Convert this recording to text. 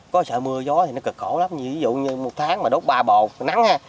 có sợ mưa gió thì nó cực khổ lắm ví dụ như một tháng mà đốt ba bồ nắng